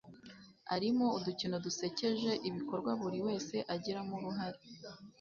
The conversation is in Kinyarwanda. arimo udukino dusekeje, ibikorwa buri wese agiramo uruhare